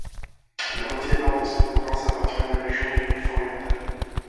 La moitié nord de cette province appartient à la région du Rif oriental.